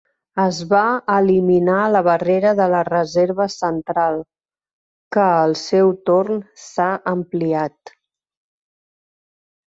Es va eliminar la barrera de la reserva central, que al seu torn s'ha ampliat.